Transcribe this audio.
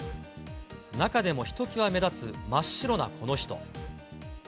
中でもひときわ目立つ真っ白なこの人。